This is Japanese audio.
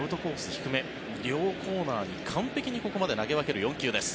低め両コーナーに完璧にここまで投げ分ける４球です。